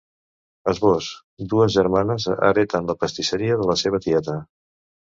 Esbós: Dues germanes hereten la pastisseria de la seva tieta.